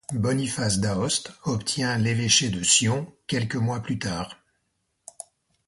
Boniface d'Aoste obtient l'évêché de Sion quelques mois plus tard.